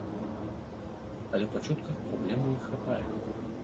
Але па чутках праблем у іх хапае!